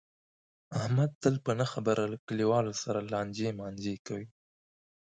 احمد تل په نه خبره له کلیواو سره لانجې مانجې کوي.